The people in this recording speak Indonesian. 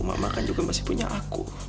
mama kan juga masih punya aku